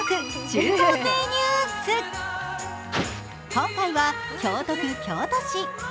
今回は京都府京都市。